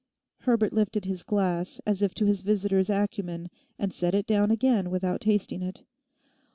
Herbert lifted his glass as if to his visitor's acumen and set it down again without tasting it.